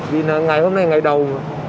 vì ngày hôm nay là ngày đầu